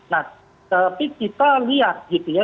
nah tapi kita lihat gitu ya